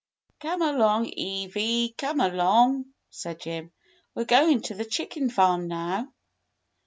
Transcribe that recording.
"Come along, Ewy, come along," said Jim, "we're going to the chicken farm now."